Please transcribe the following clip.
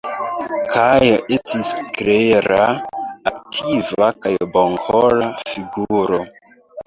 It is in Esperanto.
Kajo estis klera, aktiva kaj bonkora figuro.